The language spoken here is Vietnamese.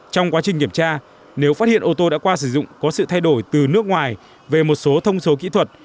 trong quá trình kiểm tra nếu phát hiện ô tô đã qua sử dụng có sự thay đổi từ nước ngoài về một số thông số kỹ thuật